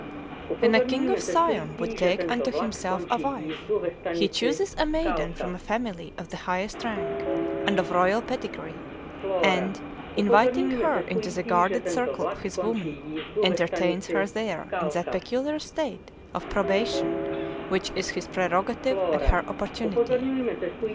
When a king of Siam would take unto himself a wife, he chooses a maiden from a family of the highest rank, and of royal pedigree, and, inviting her into the guarded circle of his women, entertains her there in that peculiar state of probation which is his prerogative and her opportunity.